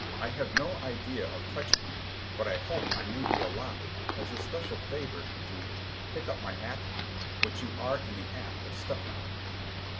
I have no idea of touching you, but I hope I may be allowed, as a special favor, to—pick up my hat, which you are in the act of stepping on."